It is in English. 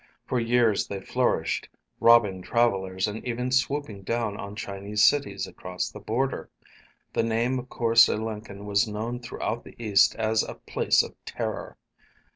For years they flourished, robbing travelers and even swooping down on Chinese cities across the border. The name of Korse Lenken was known throughout the East as a place of terror.